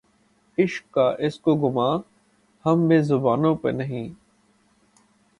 عشق کا‘ اس کو گماں‘ ہم بے زبانوں پر نہیں